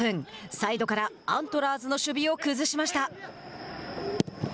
サイドからアントラーズの守備を崩しました。